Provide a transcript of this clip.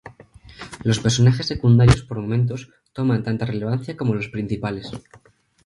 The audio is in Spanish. Los personajes secundarios, por momentos, toman tanta relevancia como los principales.